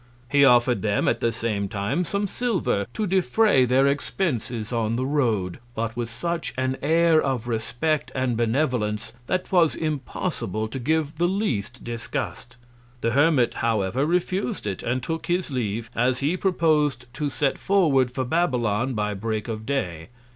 He offer'd them at the same Time some Silver, to defray their Expences on the Road; but with such an Air of Respect and Benevolence, that 'twas impossible to give the least Disgust. The Hermit, however, refus'd it, and took his leave, as he propos'd to set forward for Babylon by Break of Day.